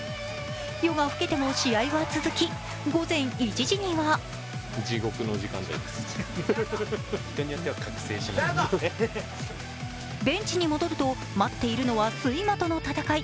夜が更けても試合は続き、午前１時にはベンチに戻ると待っているのは睡魔との戦い。